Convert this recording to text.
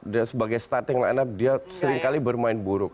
dan sebagai starting line up dia seringkali bermain buruk